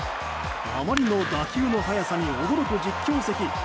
あまりの打球の速さに驚く実況席。